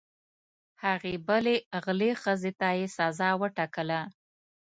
هغې بلې غلې ښځې ته یې سزا وټاکله.